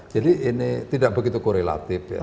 jadi ini tidak begitu korelatif ya